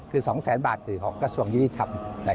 คือ๒แสนบาทคือของกระทรวงยุติธรรม